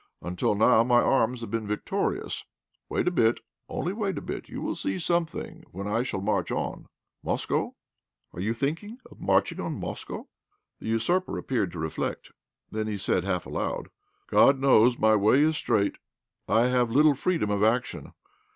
Until now my arms have been victorious. Wait a bit only wait a bit you'll see something when I shall march on Moscow?" "And you are thinking of marching on Moscow?" The usurper appeared to reflect. Then he said, half aloud "God knows my way is straight. I have little freedom of action.